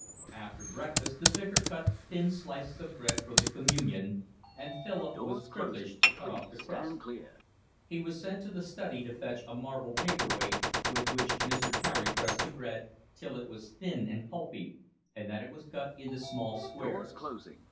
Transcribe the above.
After breakfast the Vicar cut thin slices of bread for the communion, and Philip was privileged to cut off the crust. He was sent to the study to fetch a marble paperweight, with which Mr. Carey pressed the bread till it was thin and pulpy, and then it was cut into small squares.